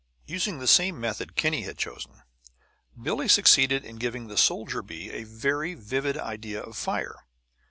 Using the same method Kinney had chosen, Billie succeeded in giving the soldier bee a very vivid idea of fire.